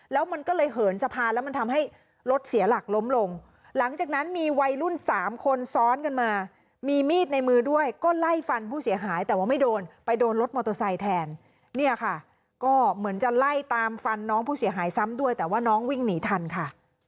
แล้วมันก็เลยเหินสะพานแล้วมันทำให้รถเสียหลักล้มลงหลังจากนั้นมีวัยรุ่นสามคนซ้อนกันมามีมีดในมือด้วยก็ไล่ฟันผู้เสียหายแต่ว่าไม่โดนไปโดนรถมอเตอร์ไซค์แทนเนี่ยค่ะก็เหมือนจะไล่ตามฟันน้องผู้เสียหายซ้ำด้วยแต่ว่าน้องวิ่งหนีทันค่ะ